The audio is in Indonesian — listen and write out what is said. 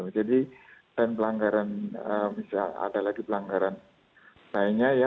jadi dan pelanggaran misalnya ada lagi pelanggaran lainnya ya